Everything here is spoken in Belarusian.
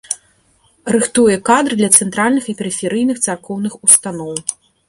Рыхтуе кадры для цэнтральных і перыферыйных царкоўных устаноў.